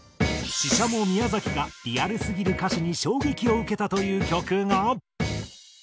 宮崎がリアルすぎる歌詞に衝撃を受けたという曲が。